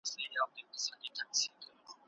د هر قوم او ژبي درناوی کیده.